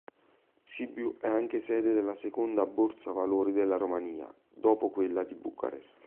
Sibiu è anche sede della seconda Borsa valori della Romania, dopo quella di Bucarest.